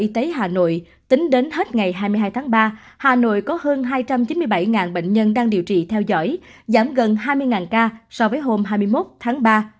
tính đến hết ngày hai mươi hai tháng ba hà nội có hơn hai trăm chín mươi bảy bệnh nhân đang điều trị theo dõi giảm gần hai mươi ca so với hôm hai mươi một tháng ba